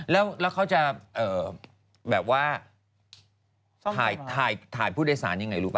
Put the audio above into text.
แล้วเขาจะแบบว่าถ่ายผู้โดยสารยังไงรู้ป